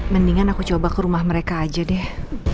mendingan aku coba ke rumah mereka aja deh